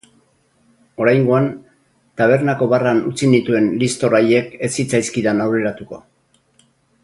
Oraingoan, tabernako barran utzi nituen liztor haiek ez zitzaizkidan aurreratuko.